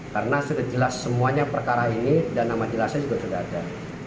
karena sejelas semuanya perkara ini dan nama jelasnya juga sudah ada